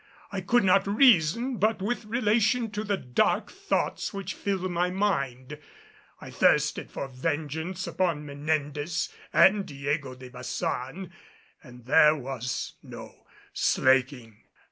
I could not reason but with relation to the dark thoughts which filled my mind. I thirsted for vengeance upon Menendez and Diego de Baçan, and there was no slaking.